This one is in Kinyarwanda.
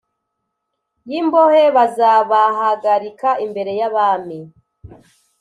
y imbohe bazabahagarika imbere y abami